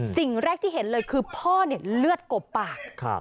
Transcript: สิ่งแรกที่เห็นเลยคือพ่อเนี่ยเลือดกบปาก